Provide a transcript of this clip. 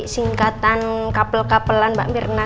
singkatan kapel kapelan mbak mirna